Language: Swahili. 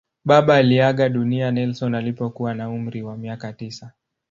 Baba aliaga dunia Nelson alipokuwa na umri wa miaka tisa.